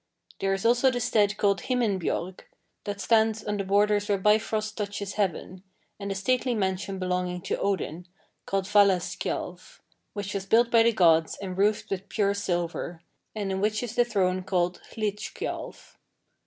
There is also the stead called Himinbjorg, that stands on the borders where Bifrost touches heaven, and the stately mansion belonging to Odin, called Valaskjalf, which was built by the gods, and roofed with pure silver, and in which is the throne called Hlidskjalf.